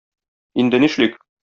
Инде нишлик?